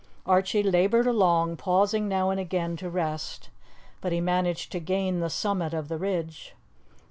Archie laboured along, pausing now and again to rest, but he managed to gain the summit of the ridge.